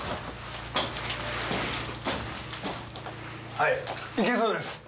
はいいけそうです。